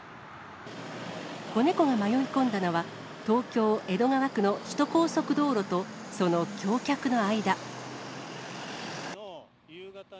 子猫が迷い込んだのは、東京・江戸川区の首都高速道路とその橋脚の間。